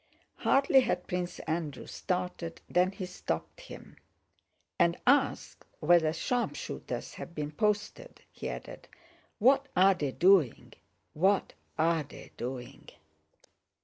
Hardly had Prince Andrew started than he stopped him. "And ask whether sharpshooters have been posted," he added. "What are they doing? What are they doing?"